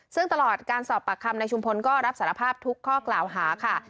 ซึ่งตลอดการสอบปากคำในชุมพลก็รับสารภาพทุกข้อกล่าวหาค่ะ